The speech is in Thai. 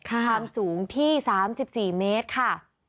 ความสูงที่๓๔เมตรค่ะ